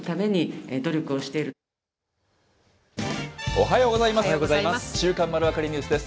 おはようございます。